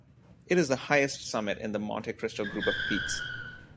It is the highest summit in the Monte Cristo group of peaks.